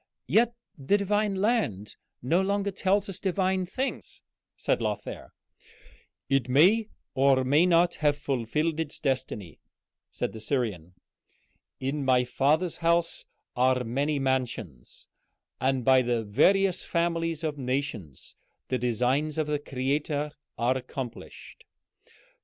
"Yet the divine land no longer tells us divine things," said Lothair. "It may or may not have fulfilled its destiny," said the Syrian. "'In my Father's house are many mansions,' and by the various families of nations the designs of the Creator are accomplished.